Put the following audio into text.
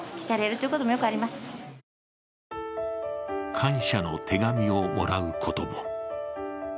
感謝の手紙をもらうことも。